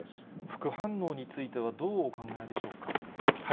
副反応についてはどうお考えでしょうか。